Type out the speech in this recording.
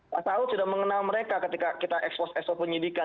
pak saud sudah mengenal mereka ketika kita expose expo penyidikan